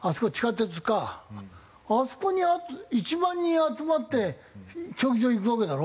あそこに１万人集まって競技場行くわけだろ？